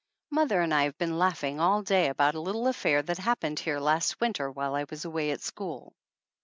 Mother and I have been laughing all day about a little affair that happened here last winter while I was away at school.